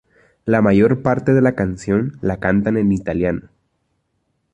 La mayor parte de la canción la cantan en italiano.